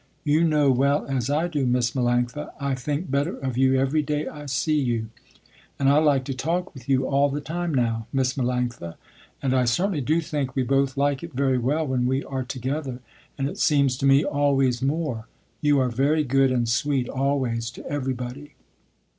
You know well as I do, Miss Melanctha, I think better of you every day I see you, and I like to talk with you all the time now, Miss Melanctha, and I certainly do think we both like it very well when we are together, and it seems to me always more, you are very good and sweet always to everybody.